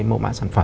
mẫu mã sản phẩm